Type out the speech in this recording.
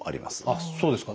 あっそうですか。